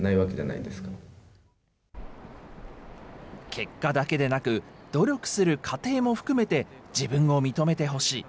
結果だけでなく、努力する過程も含めて自分を認めてほしい。